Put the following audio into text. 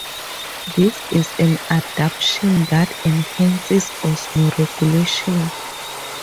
This is an adaptation that enhances osmoregulation.